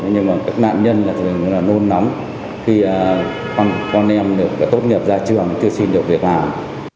nhưng mà các nạn nhân là nôn nóng khi con em được tốt nghiệp ra trường chưa xin được việc nào